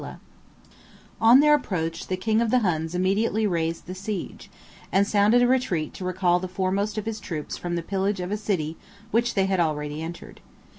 ] On their approach the king of the Huns immediately raised the siege, and sounded a retreat to recall the foremost of his troops from the pillage of a city which they had already entered.